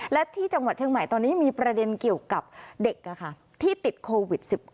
และที่จังหวัดเชียงใหม่ตอนนี้มีประเด็นเกี่ยวกับเด็กที่ติดโควิด๑๙